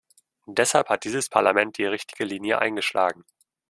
Deshalb hat dieses Parlament die richtige Linie eingeschlagen.